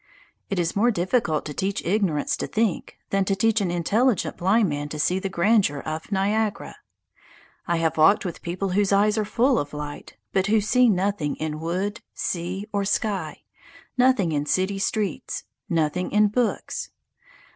It is more difficult to teach ignorance to think than to teach an intelligent blind man to see the grandeur of Niagara. I have walked with people whose eyes are full of light, but who see nothing in wood, sea, or sky, nothing in city streets, nothing in books.